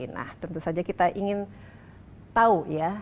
nah tentu saja kita ingin tahu ya